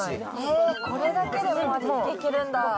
これだけでもう味付けできるんだ